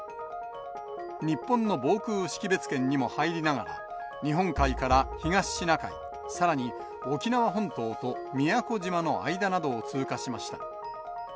日本の防空識別圏にも入りながら、日本海から東シナ海、さらに沖縄本島と宮古島の間などを通過しました。